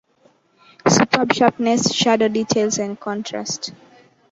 Superb sharpness, shadow details and contrast.